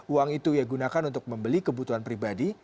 uang itu ia gunakan untuk membeli kebutuhan pribadi